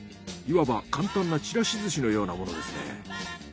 いわば簡単なちらし寿司のようなものですね。